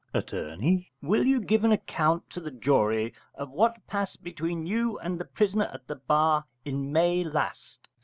Att. Will you give an account to the jury of what passed between you and the prisoner at the bar in May last?